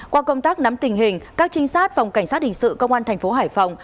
qua công tác nắm tình hình các trinh sát phòng cảnh sát hình sự công an thành phố hải phòng